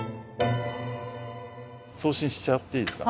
送信しちゃっていいですか？